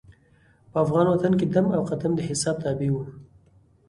په افغان وطن کې دم او قدم د حساب تابع وو.